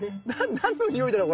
何のにおいだろう？